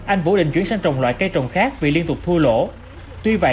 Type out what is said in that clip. anh vũ định chuyển sang trồng loại cây trồng khác vì liên tục thua lỗ tuy vậy